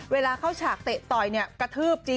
เวลาเข้าฉากเตะต่อยจริงกระทืบ